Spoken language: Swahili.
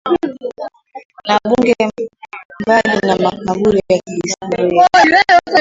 na bunge Mbali na makaburi ya kihistoria